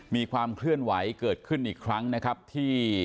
มีความเคลื่อนไหวเกิดขึ้นอีกครั้งนะครับที่